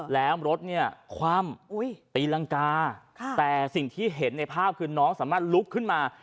แล้วรถเนี่ยคว่ำตีรังกาแต่สิ่งที่เห็นในภาพคือน้องสามารถลุกขึ้นมา